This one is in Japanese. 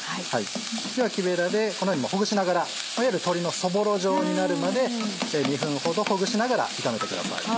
では木べらでこのようにほぐしながらいわゆる鶏のそぼろ状になるまで２分ほどほぐしながら炒めてください。